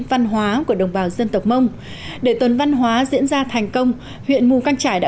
văn hóa của đồng bào dân tộc mông để tuần văn hóa diễn ra thành công huyện mù căng trải đã